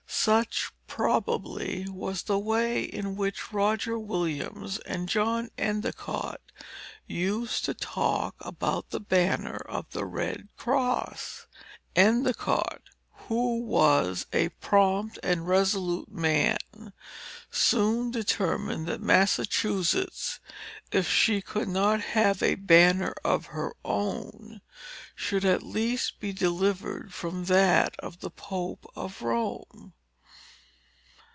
Such, probably, was the way in which Roger Williams and John Endicott used to talk about the banner of the Red Cross. Endicott, who was a prompt and resolute man, soon determined that Massachusetts, if she could not have a banner of her own, should at least be delivered from that of the Pope of Rome.